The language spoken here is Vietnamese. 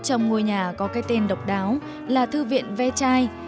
trong ngôi nhà có cái tên độc đáo là thư viện ve chai